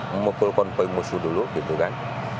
memukul konvoy musuh dulu gitu kan